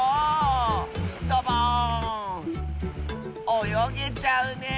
およげちゃうねえ！